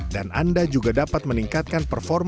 dan anda juga dapat meningkatkan performa